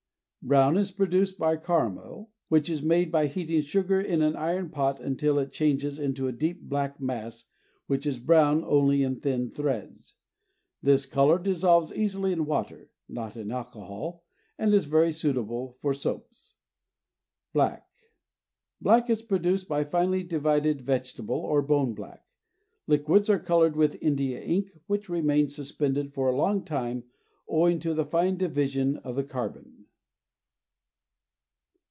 BROWN is produced by caramel, which is made by heating sugar in an iron pot until it changes into a deep black mass which is brown only in thin threads. This color dissolves easily in water (not in alcohol) and is very suitable for soaps. BLACK is produced by finely divided vegetable or bone black. Liquids are colored with India ink which remains suspended for a long time owing to the fine division of the carbon.